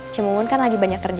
cep mumun kan lagi banyak kerjaan